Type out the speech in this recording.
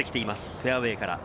フェアウエーから。